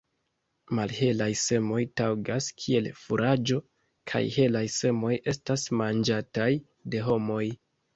Malhelaj semoj taŭgas kiel furaĝo, helaj semoj estas manĝataj de homoj.